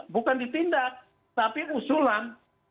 bukan ditindak tapi usulan